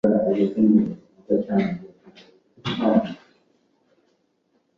素理想定理即保证在给定的抽象代数中特定类型之子集的存在性之数学定理。